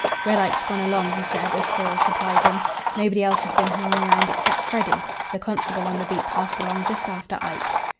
"Red Ike's gone along," he said, as Foyle supplied him. "Nobody else has been hanging round except Freddy. The constable on the beat passed along just after Ike."